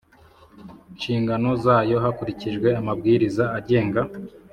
Nshingano Zayo Hakurikijwe Amabwiriza Agenga